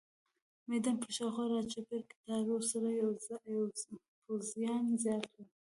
د میدان پر شاوخوا راچاپېره کټارو سره پوځیان زیات وو.